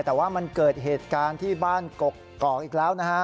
แต่ว่ามันเกิดเหตุการณ์ที่บ้านกกอกอีกแล้วนะฮะ